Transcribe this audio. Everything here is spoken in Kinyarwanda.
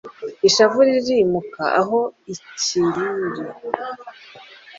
Ishavu rikimuka aho i Kiruri.